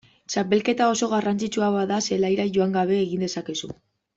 Txapelketa oso garrantzitsua bada zelaira joan gabe egin dezakezu.